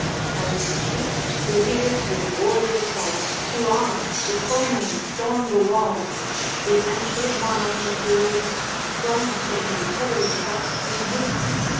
As Chief, who hears his warder call, 'To arms! the foemen storm the wall,' The antlered monarch of the waste Sprung from his heathery couch in haste.